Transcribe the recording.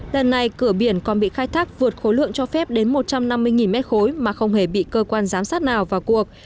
lần này cửa biển còn bị khai thác vượt khối lượng cho phép đến một trăm năm mươi m ba mà không hề bị cơ quan giám sát nào vào cuộc